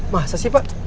hah masa sih pak